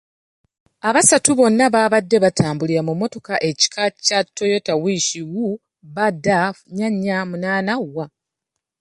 Abasatu bano baabadde batambulira mu mmotoka ekika kya Toyota Wish UBD four four eight Y.